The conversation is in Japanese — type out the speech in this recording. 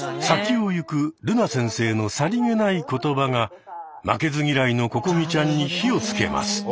先を行くるな先生のさりげない言葉が負けず嫌いのここみちゃんに火をつけます。